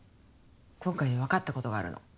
今回でわかったことがあるの。